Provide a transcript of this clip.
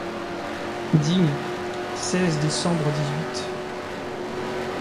Digne, seize décembre dix-huit...